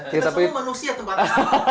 kita semua manusia tempatnya